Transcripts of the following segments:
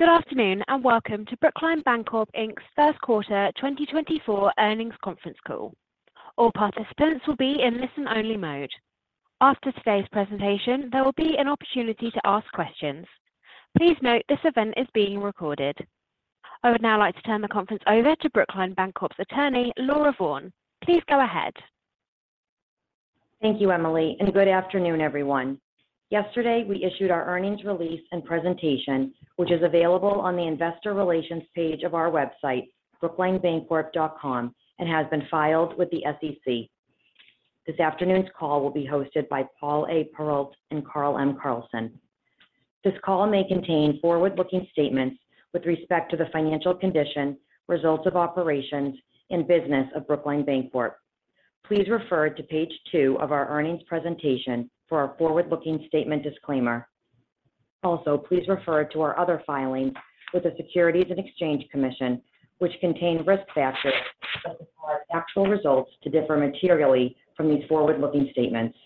Good afternoon, and welcome to Brookline Bancorp, Inc's First Quarter 2024 Earnings Conference Call. All participants will be in listen-only mode. After today's presentation, there will be an opportunity to ask questions. Please note, this event is being recorded. I would now like to turn the conference over to Brookline Bancorp, Inc's Attorney, Laura Vaughn. Please go ahead. Thank you, Emily, and good afternoon, everyone. Yesterday, we issued our earnings release and presentation, which is available on the investor relations page of our website, brooklinebancorp.com, and has been filed with the SEC. This afternoon's call will be hosted by Paul A. Perrault and Carl M. Carlson. This call may contain forward-looking statements with respect to the financial condition, results of operations, and business of Brookline Bancorp. Please refer to page two of our earnings presentation for our forward-looking statement disclaimer. Also, please refer to our other filings with the Securities and Exchange Commission, which contain risk factors that could cause our actual results to differ materially from these forward-looking statements.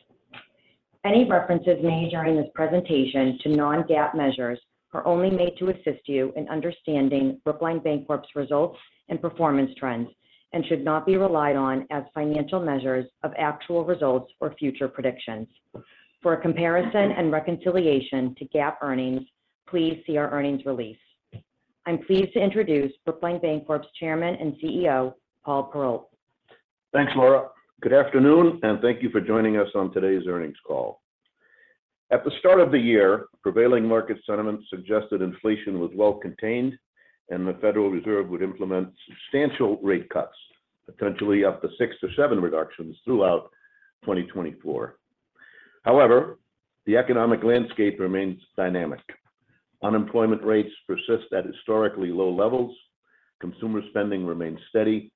Any references made during this presentation to non-GAAP measures are only made to assist you in understanding Brookline Bancorp's results and performance trends and should not be relied on as financial measures of actual results or future predictions. For a comparison and reconciliation to GAAP earnings, please see our earnings release. I'm pleased to introduce Brookline Bancorp's Chairman and CEO, Paul Perrault. Thanks, Laura. Good afternoon, and thank you for joining us on today's earnings call. At the start of the year, prevailing market sentiment suggested inflation was well contained and the Federal Reserve would implement substantial rate cuts, potentially up to six to seven reductions throughout 2024. However, the economic landscape remains dynamic. Unemployment rates persist at historically low levels, consumer spending remains steady,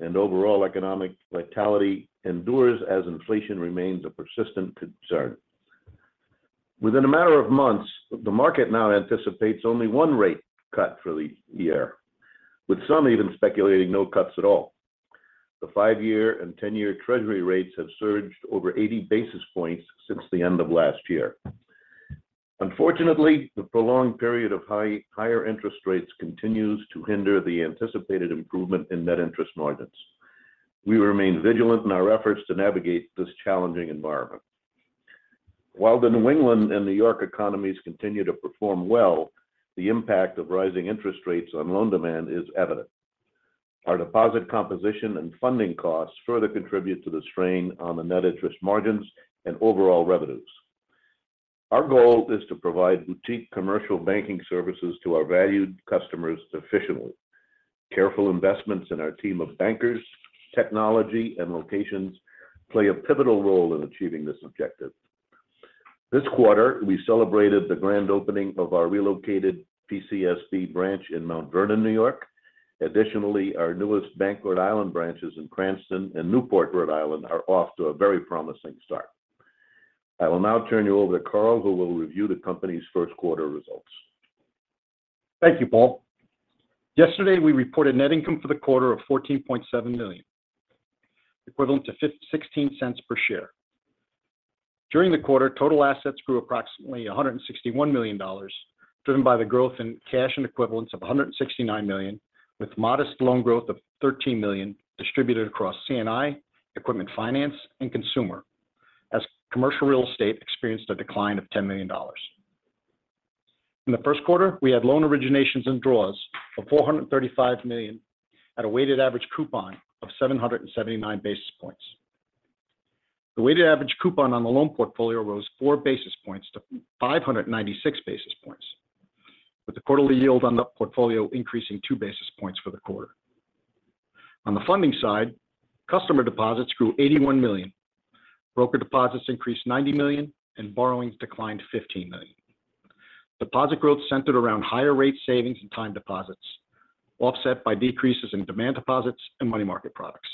and overall economic vitality endures as inflation remains a persistent concern. Within a matter of months, the market now anticipates only one rate cut for the year, with some even speculating no cuts at all. The five-year and 10-year Treasury rates have surged over 80 basis points since the end of last year. Unfortunately, the prolonged period of higher interest rates continues to hinder the anticipated improvement in net interest margins. We remain vigilant in our efforts to navigate this challenging environment. While the New England and New York economies continue to perform well, the impact of rising interest rates on loan demand is evident. Our deposit composition and funding costs further contribute to the strain on the net interest margins and overall revenues. Our goal is to provide boutique commercial banking services to our valued customers efficiently. Careful investments in our team of bankers, technology, and locations play a pivotal role in achieving this objective. This quarter, we celebrated the grand opening of our relocated PCSB branch in Mount Vernon, New York. Additionally, our newest Bank Rhode Island branches in Cranston and Newport, Rhode Island, are off to a very promising start. I will now turn you over to Carl, who will review the company's first quarter results. Thank you, Paul. Yesterday, we reported net income for the quarter of $14.7 million, equivalent to $0.16 per share. During the quarter, total assets grew approximately $161 million, driven by the growth in cash and equivalents of $169 million, with modest loan growth of $13 million distributed across C&I, equipment finance and consumer, as commercial real estate experienced a decline of $10 million. In the first quarter, we had loan originations and draws of $435 million at a weighted average coupon of 779 basis points. The weighted average coupon on the loan portfolio rose 4 basis points to 596 basis points, with the quarterly yield on the portfolio increasing 2 basis points for the quarter. On the funding side, customer deposits grew $81 million, broker deposits increased $90 million, and borrowings declined $15 million. Deposit growth centered around higher rate savings and time deposits, offset by decreases in demand deposits and money market products.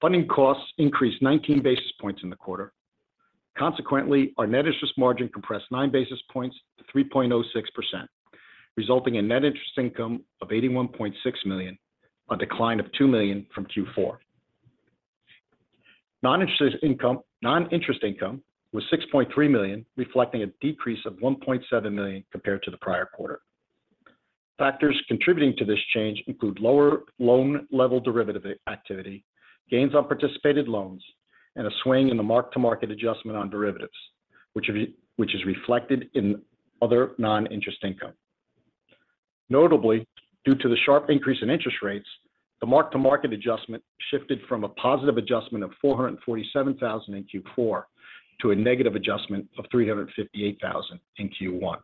Funding costs increased 19 basis points in the quarter. Consequently, our net interest margin compressed 9 basis points to 3.06%, resulting in net interest income of $81.6 million, a decline of $2 million from Q4. Non-interest income was $6.3 million, reflecting a decrease of $1.7 million compared to the prior quarter. Factors contributing to this change include lower loan level derivative activity, gains on participated loans, and a swing in the mark-to-market adjustment on derivatives, which is reflected in other non-interest income. Notably, due to the sharp increase in interest rates, the mark-to-market adjustment shifted from a positive adjustment of $447,000 in Q4 to a negative adjustment of $358,000 in Q1.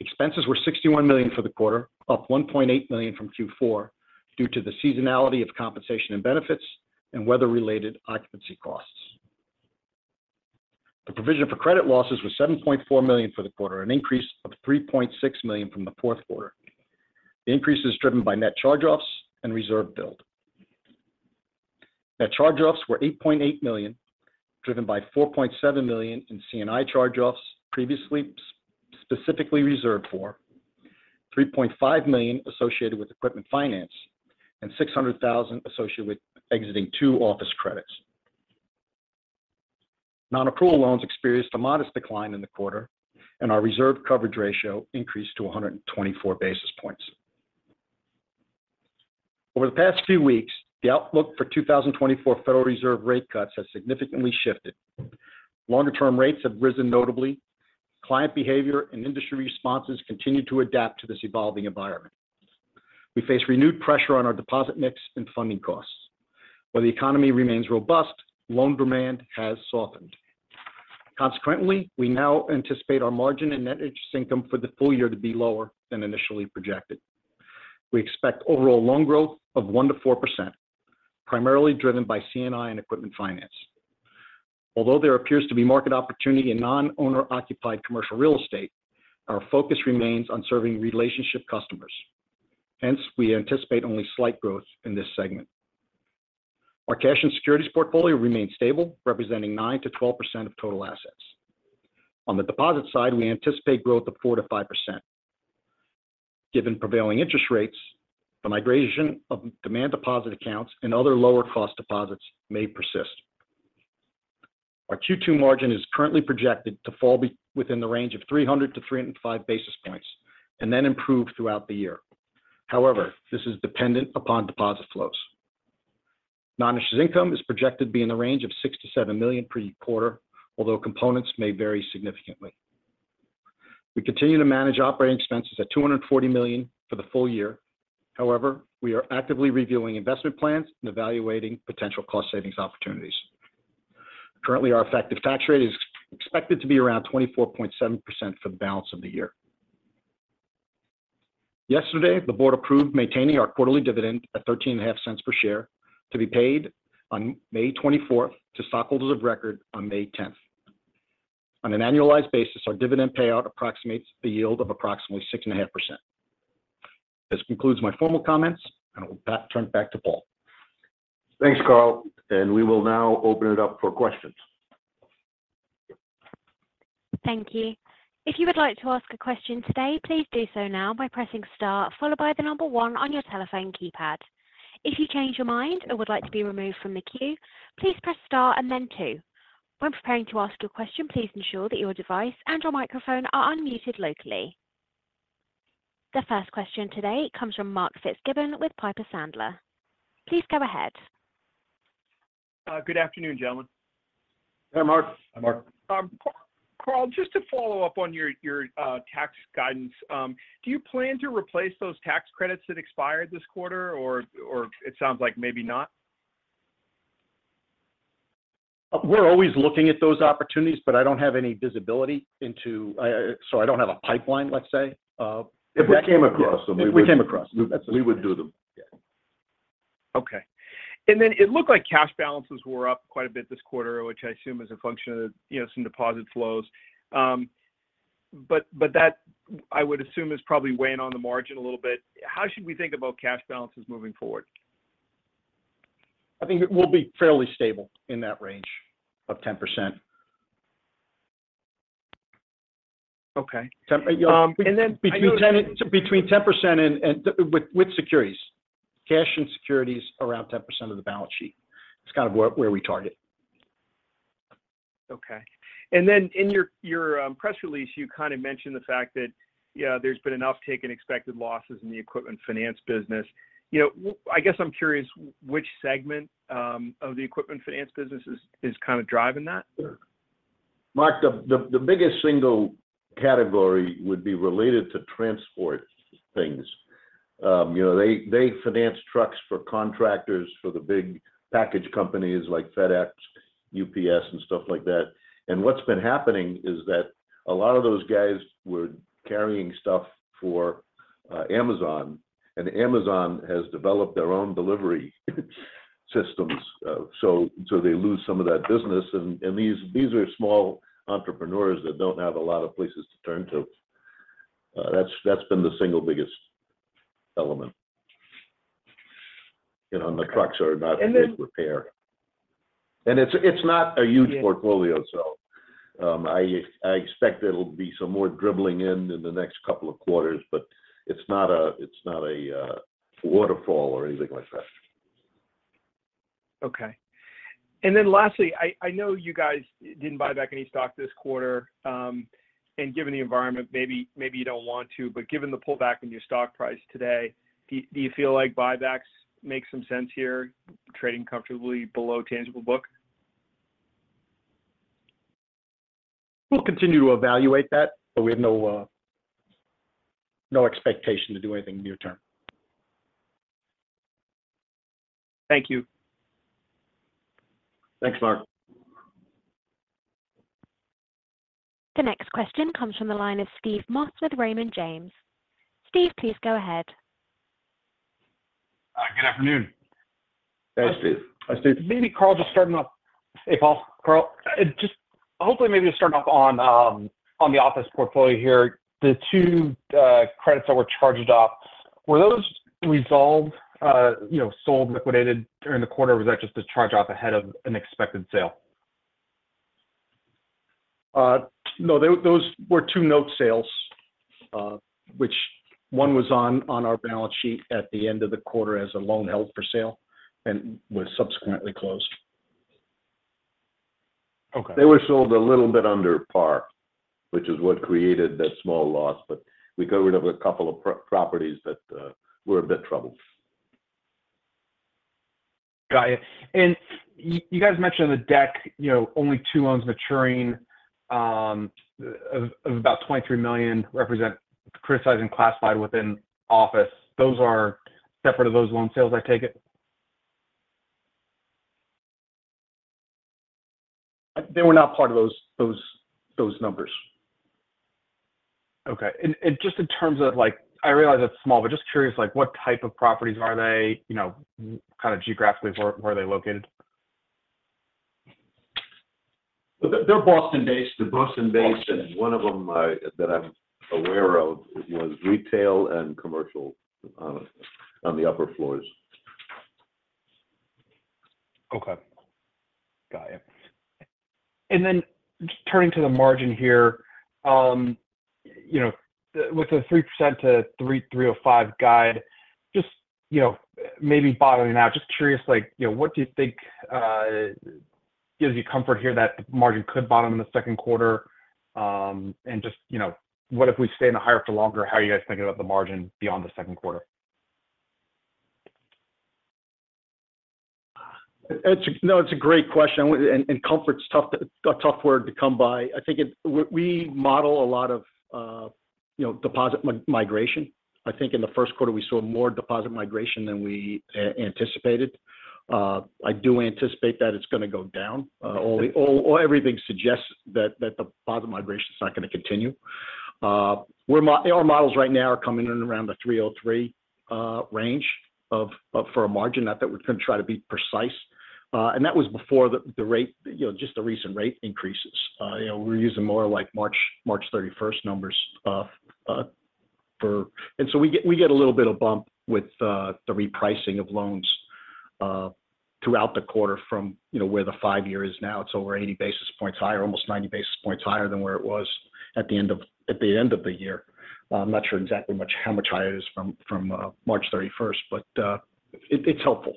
Expenses were $61 million for the quarter, up $1.8 million from Q4 due to the seasonality of compensation and benefits and weather-related occupancy costs. The provision for credit losses was $7.4 million for the quarter, an increase of $3.6 million from the fourth quarter. The increase is driven by net charge-offs and reserve build. Net charge-offs were $8.8 million, driven by $4.7 million in C&I charge-offs previously specifically reserved for, $3.5 million associated with equipment finance, and $600,000 associated with exiting two office credits. Non-accrual loans experienced a modest decline in the quarter, and our reserve coverage ratio increased to 124 basis points. Over the past few weeks, the outlook for 2024 Federal Reserve rate cuts has significantly shifted. Longer-term rates have risen notably. Client behavior and industry responses continue to adapt to this evolving environment. We face renewed pressure on our deposit mix and funding costs. While the economy remains robust, loan demand has softened. Consequently, we now anticipate our margin and net interest income for the full year to be lower than initially projected. We expect overall loan growth of 1%-4%, primarily driven by C&I and equipment finance. Although there appears to be market opportunity in non-owner-occupied commercial real estate, our focus remains on serving relationship customers. Hence, we anticipate only slight growth in this segment. Our cash and securities portfolio remains stable, representing 9%-12% of total assets. On the deposit side, we anticipate growth of 4%-5%. Given prevailing interest rates, the migration of demand deposit accounts and other lower-cost deposits may persist. Our Q2 margin is currently projected to fall within the range of 300-305 basis points and then improve throughout the year. However, this is dependent upon deposit flows. Non-interest income is projected to be in the range of $6 million-$7 million per quarter, although components may vary significantly. We continue to manage operating expenses at $240 million for the full year. However, we are actively reviewing investment plans and evaluating potential cost savings opportunities. Currently, our effective tax rate is expected to be around 24.7% for the balance of the year. Yesterday, the board approved maintaining our quarterly dividend at $0.135 per share, to be paid on May 24 to stockholders of record on May 10. On an annualized basis, our dividend payout approximates a yield of approximately 6.5%. This concludes my formal comments, and I will turn it back to Paul. Thanks, Carl, and we will now open it up for questions. Thank you. If you would like to ask a question today, please do so now by pressing star followed by the number one on your telephone keypad. If you change your mind or would like to be removed from the queue, please press star and then two. When preparing to ask your question, please ensure that your device and your microphone are unmuted locally. The first question today comes from Mark Fitzgibbon with Piper Sandler. Please go ahead. Good afternoon, gentlemen. Hi, Mark. Hi, Mark. Carl, just to follow up on your tax guidance. Do you plan to replace those tax credits that expired this quarter, or it sounds like maybe not? We're always looking at those opportunities, but I don't have any visibility into. So I don't have a pipeline, let's say. If we came across them- If we came across them.... We would do them. Yeah. Okay. And then it looked like cash balances were up quite a bit this quarter, which I assume is a function of, you know, some deposit flows. But that, I would assume, is probably weighing on the margin a little bit. How should we think about cash balances moving forward? I think it will be fairly stable in that range of 10%. Okay. Um, And then- Between 10%-with securities. Cash and securities, around 10% of the balance sheet. It's kind of where we target. Okay. And then in your press release, you kind of mentioned the fact that, yeah, there's been an uptick in expected losses in the equipment finance business. You know, I guess I'm curious, which segment of the equipment finance business is kind of driving that? Mark, the biggest single category would be related to transport things. You know, they finance trucks for contractors, for the big package companies like FedEx, UPS, and stuff like that. And what's been happening is that a lot of those guys were carrying stuff for Amazon, and Amazon has developed their own delivery systems. So, they lose some of that business, and these are small entrepreneurs that don't have a lot of places to turn to. That's been the single biggest element. You know, and the trucks are not in good repair. And then- And it's not a huge portfolio, so I expect there'll be some more dribbling in the next couple of quarters, but it's not a waterfall or anything like that. Okay. And then lastly, I know you guys didn't buy back any stock this quarter, and given the environment, maybe you don't want to. But given the pullback in your stock price today, do you feel like buybacks make some sense here, trading comfortably below tangible book? We'll continue to evaluate that, but we have no, no expectation to do anything near term. Thank you. Thanks, Mark. The next question comes from the line of Steve Moss with Raymond James. Steve, please go ahead. Good afternoon. Hey, Steve. Hi, Steve. Maybe, Carl, just starting off. Hey, Paul. Carl, just hopefully maybe just starting off on the office portfolio here. The two credits that were charged off, were those resolved, you know, sold, liquidated during the quarter, or was that just a charge off ahead of an expected sale?... No, those were two note sales, which one was on our balance sheet at the end of the quarter as a loan held for sale and was subsequently closed. Okay. They were sold a little bit under par, which is what created that small loss, but we got rid of a couple of properties that were a bit troubled. Got it. And you guys mentioned in the deck, you know, only two loans maturing of about $23 million representing criticized classified within office. Those are separate of those loan sales, I take it? They were not part of those numbers. Okay. And just in terms of like, I realize it's small, but just curious, like what type of properties are they? You know, kind of geographically, where are they located? They're Boston-based. They're Boston-based, and one of them that I'm aware of was retail and commercial on the upper floors. Okay. Got it. And then just turning to the margin here, you know, with the 3%-3.3% or 3.5% guide, just, you know, maybe bottoming out, just curious, like, you know, what do you think, gives you comfort here that the margin could bottom in the second quarter? And just, you know, what if we stay in the higher for longer, how are you guys thinking about the margin beyond the second quarter? It's a great question, and comfort's tough, a tough word to come by. I think we model a lot of, you know, deposit migration. I think in the first quarter, we saw more deposit migration than we anticipated. I do anticipate that it's going to go down, or everything suggests that the deposit migration is not going to continue. Our models right now are coming in around the 3.03% range for a margin. Not that we're going to try to be precise, and that was before the rate, you know, just the recent rate increases. You know, we're using more like March 31st numbers, and so we get a little bit of bump with the repricing of loans throughout the quarter from, you know, where the five-year is now. It's over 80 basis points higher, almost 90 basis points higher than where it was at the end of the year. I'm not sure exactly how much higher it is from March thirty-first, but it's helpful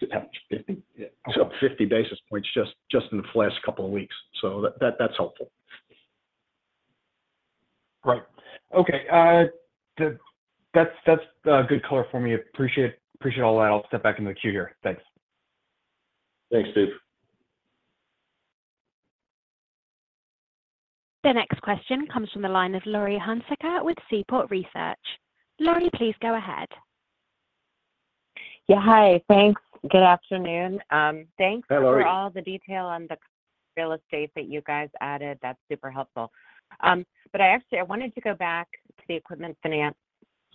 to have 50 basis points just in the last couple of weeks. So that's helpful. Right. Okay, that's good color for me. Appreciate all that. I'll step back in the queue here. Thanks. Thanks, Steve. The next question comes from the line of Laurie Hunsicker with Seaport Research. Laurie, please go ahead. Yeah, hi. Thanks. Good afternoon. Hi, Laurie. For all the detail on the real estate that you guys added. That's super helpful. But I actually wanted to go back to the equipment finance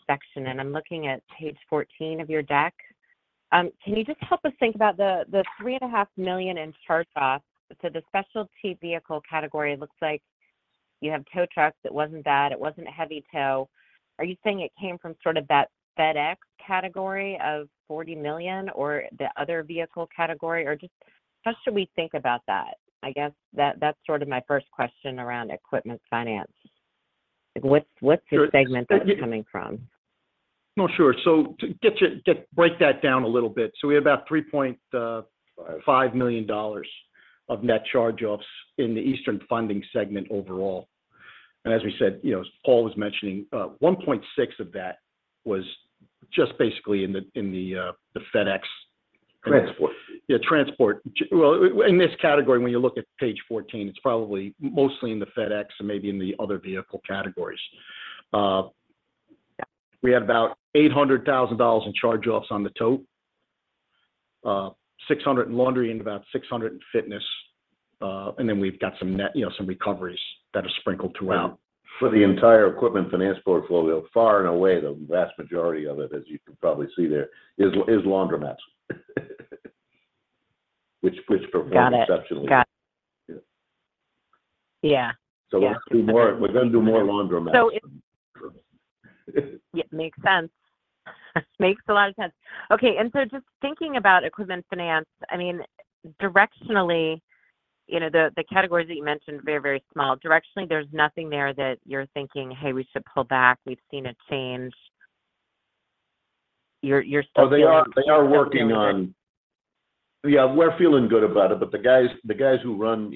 section, and I'm looking at Page 14 of your deck. Can you just help us think about the $3.5 million in charge-off? So the specialty vehicle category looks like you have tow trucks. It wasn't that, it wasn't a heavy tow. Are you saying it came from sort of that FedEx category of $40 million or the other vehicle category? Or just how should we think about that? I guess that, that's sort of my first question around equipment finance. Like, what's the segment that's coming from? No, sure. So to get to—break that down a little bit. So we have about $3.5 million of net charge offs in the Eastern Funding segment overall. And as we said, you know, as Paul was mentioning, 1.6 of that was just basically in the FedEx- Transport. Yeah, transport. Well, in this category, when you look at Page 14, it's probably mostly in the FedEx and maybe in the other vehicle categories. We have about $800,000 in charge-offs on the tow, $600,000 in laundry, and about $600,000 in fitness. And then we've got some net, you know, some recoveries that are sprinkled throughout. For the entire equipment finance portfolio far and away, the vast majority of it, as you can probably see there, is laundromats. Which performs- Got it. exceptionally. Got it. Yeah. We'll do more, we're gonna do more laundromats. Yeah, it makes sense. Makes a lot of sense. Okay, and so just thinking about equipment finance, I mean, directionally, you know, the categories that you mentioned, very, very small. Directionally, there's nothing there that you're thinking, "Hey, we should pull back. We've seen a change." You're still- Oh, they are working on... Yeah, we're feeling good about it, but the guys who run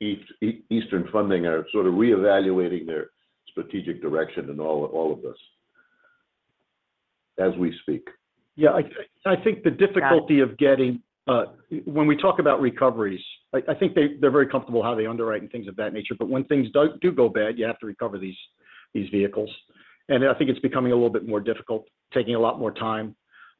Eastern Funding are sort of reevaluating their strategic direction in all of this, as we speak. Yeah, I think the difficulty of getting, when we talk about recoveries, I think they're very comfortable how they underwrite and things of that nature, but when things do go bad, you have to recover these vehicles. And I think it's becoming a little bit more difficult, taking a lot more time,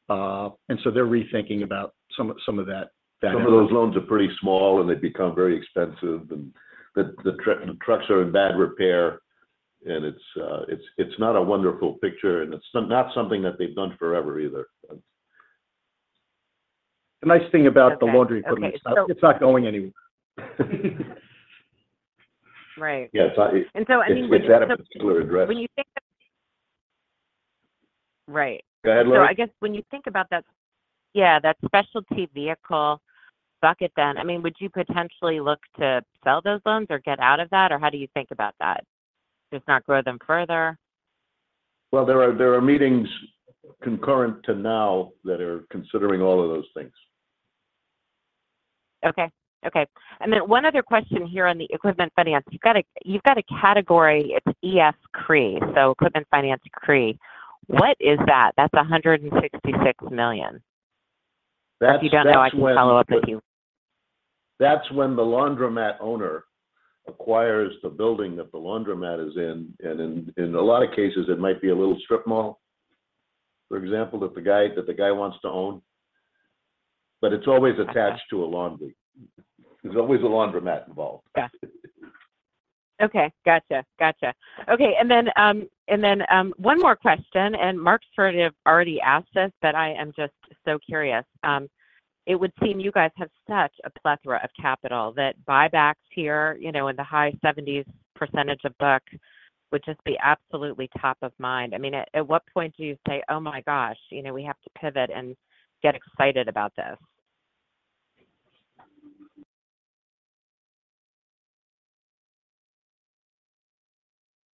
and so they're rethinking about some of that- Some of those loans are pretty small, and they become very expensive, and the trucks are in bad repair, and it's not a wonderful picture, and it's not something that they've done forever either. The nice thing about the laundry equipment, it's not going anywhere. Right. Yes, I- And so, I mean- With that, a particular address. Right. Go ahead, Laurie. So I guess when you think about that, yeah, that specialty vehicle bucket, then, I mean, would you potentially look to sell those loans or get out of that? Or how do you think about that? Just not grow them further? Well, there are, there are meetings concurrent to now that are considering all of those things. Okay. Okay. And then one other question here on the equipment finance. You've got a, you've got a category, it's EF CRE, so Equipment Finance CRE. What is that? That's $166 million. That's- If you don't know, I can follow up with you. That's when the laundromat owner acquires the building that the laundromat is in, and in a lot of cases, it might be a little strip mall, for example, that the guy wants to own, but it's always attached to a laundry. There's always a laundromat involved. Got it. Okay, gotcha. Gotcha. Okay, and then, one more question, and Mark sort of already asked this, but I am just so curious. It would seem you guys have such a plethora of capital that buybacks here, you know, in the high 70s percentage of book, would just be absolutely top of mind. I mean, at what point do you say, "Oh, my gosh, you know, we have to pivot and get excited about this?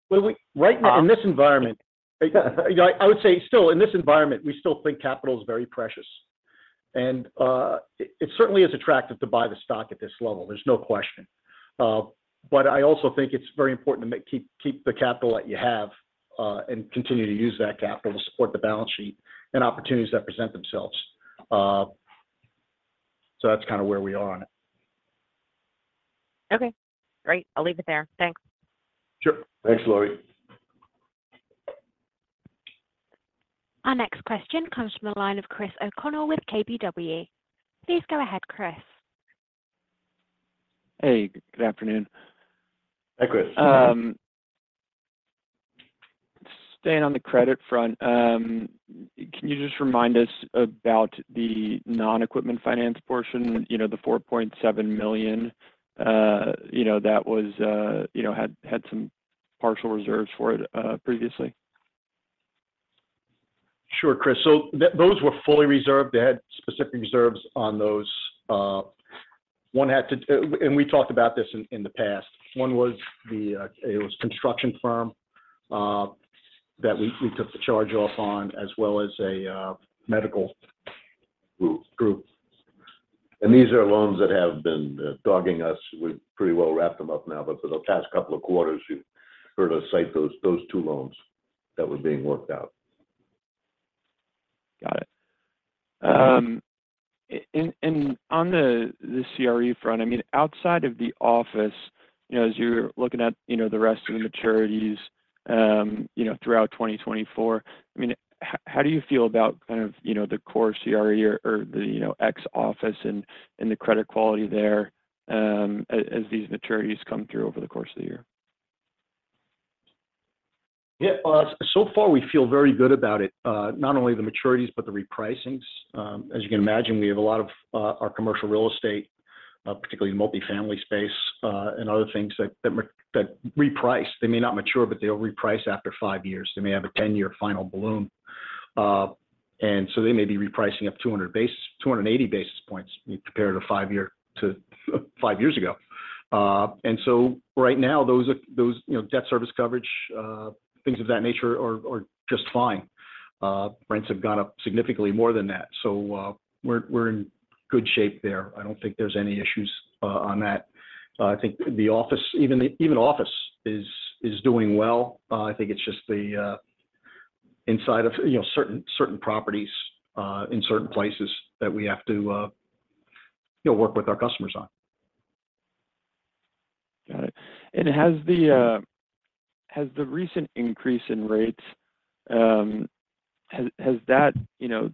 Well, we right now, in this environment, you know, I would say still in this environment, we still think capital is very precious, and it certainly is attractive to buy the stock at this level. There's no question. But I also think it's very important to keep the capital that you have, and continue to use that capital to support the balance sheet and opportunities that present themselves. So that's kind of where we are on it. Okay, great. I'll leave it there. Thanks. Sure. Thanks, Laurie. Our next question comes from the line of Chris O'Connell with KBW. Please go ahead, Chris. Hey, good afternoon. Hi, Chris. Staying on the credit front, can you just remind us about the non-equipment finance portion, you know, the $4.7 million, you know, that was, you know, had, had some partial reserves for it, previously? Sure, Chris. So those were fully reserved. They had specific reserves on those, one had to... And we talked about this in the past. One was the, it was construction firm, that we took the charge off on, as well as a, medical- Group -group. These are loans that have been dogging us. We've pretty well wrapped them up now, but for the past couple of quarters, you've heard us cite those two loans that were being worked out. Got it. And on the CRE front, I mean, outside of the office, you know, as you're looking at, you know, the rest of the maturities, you know, throughout 2024, I mean, how do you feel about kind of, you know, the core CRE or, or the, you know, ex office and the credit quality there, as these maturities come through over the course of the year? Yeah, so far, we feel very good about it, not only the maturities, but the repricings. As you can imagine, we have a lot of our commercial real estate, particularly multifamily space, and other things that reprice. They may not mature, but they'll reprice after five years. They may have a 10-year final balloon. And so they may be repricing up 200 basis, 280 basis points compared to five years ago. And so right now, those are, you know, debt service coverage things of that nature are just fine. Rents have gone up significantly more than that, so we're in good shape there. I don't think there's any issues on that. I think the office, even office is doing well. I think it's just the inside of, you know, certain properties in certain places that we have to, you know, work with our customers on. Got it. And has the recent increase in rates, has that, you know,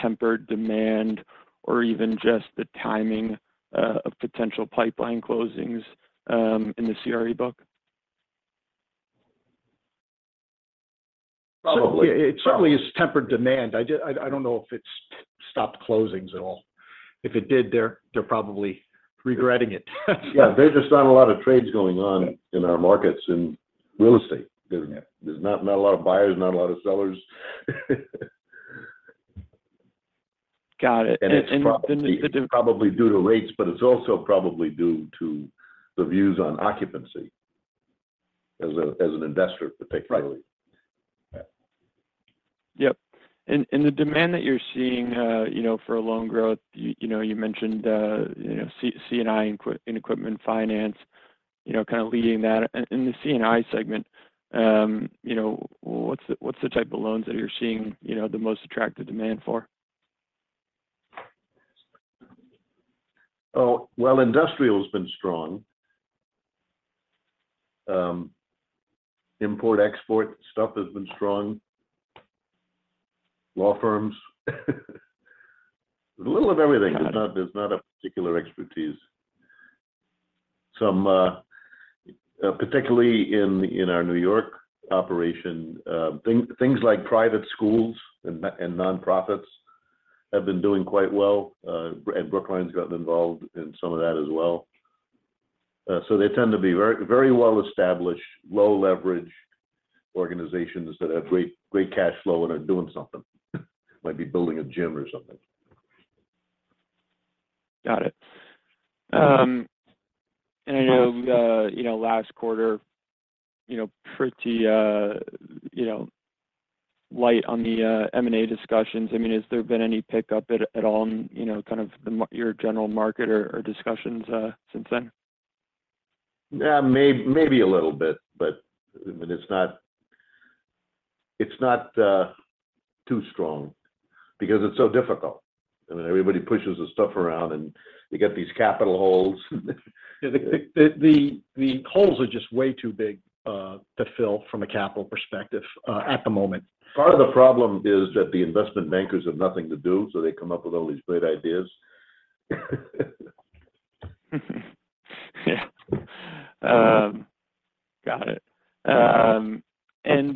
tempered demand or even just the timing of potential pipeline closings in the CRE book? Probably. It certainly has tempered demand. I don't know if it's stopped closings at all. If it did, they're probably regretting it. Yeah. There's just not a lot of trades going on in our markets in real estate. Yeah. There's not a lot of buyers, not a lot of sellers. Got it. It's probably- The, the- Probably due to rates, but it's also probably due to the views on occupancy as an investor, particularly. Right. Yeah. Yep. And the demand that you're seeing, you know, for loan growth, you know, you mentioned, you know, C&I and equipment finance, you know, kind of leading that. In the C&I segment, you know, what's the type of loans that you're seeing, you know, the most attractive demand for? Oh, well, industrial has been strong. Import-export stuff has been strong. Law firms. A little of everything. Got it. There's not, there's not a particular expertise. Some, particularly in our New York operation, things like private schools and nonprofits have been doing quite well. And Brookline's gotten involved in some of that as well. So they tend to be very, very well established, low leverage organizations that have great, great cash flow and are doing something. Might be building a gym or something. Got it. And I know, you know, last quarter, you know, pretty, you know, light on the, M&A discussions. I mean, has there been any pickup at all in, you know, kind of the your general market or discussions, since then? Yeah, maybe a little bit, but, I mean, it's not too strong because it's so difficult, and everybody pushes the stuff around, and you get these capital holes. The holes are just way too big to fill from a capital perspective at the moment. Part of the problem is that the investment bankers have nothing to do, so they come up with all these great ideas. Yeah. Got it. And,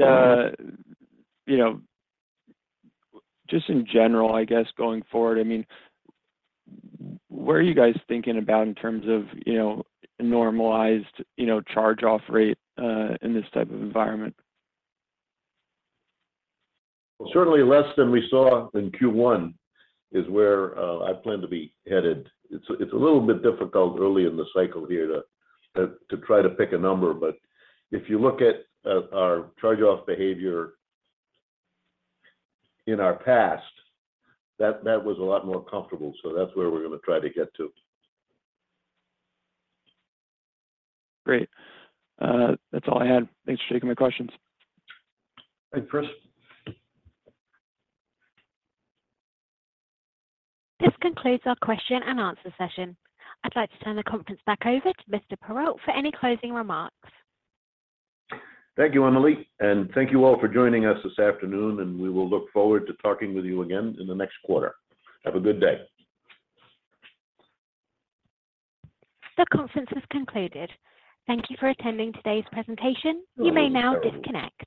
you know, just in general, I guess, going forward, I mean, where are you guys thinking about in terms of, you know, normalized, you know, charge-off rate, in this type of environment? Certainly less than we saw in Q1 is where I plan to be headed. It's a little bit difficult early in the cycle here to try to pick a number, but if you look at our charge-off behavior in our past, that was a lot more comfortable. So that's where we're gonna try to get to. Great. That's all I had. Thanks for taking my questions. Thanks, Chris. This concludes our question and answer session. I'd like to turn the conference back over to Mr. Perrault for any closing remarks. Thank you, Emily, and thank you all for joining us this afternoon, and we will look forward to talking with you again in the next quarter. Have a good day. The conference has concluded. Thank you for attending today's presentation. You may now disconnect.